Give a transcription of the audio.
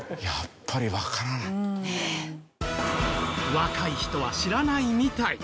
若い人は知らないみたい。